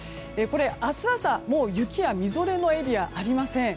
明日朝、雪やみぞれのエリアありません。